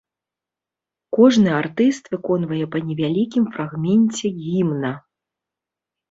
Кожны артыст выконвае па невялікім фрагменце гімна.